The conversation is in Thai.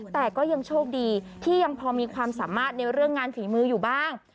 แต่ก็ยังโชคดีที่ยังพอมีความสามารถในเรื่องงานฝีมืออยู่บ้าง